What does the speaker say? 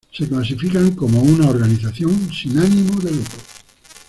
Se clasifican como una organización sin ánimo de lucro.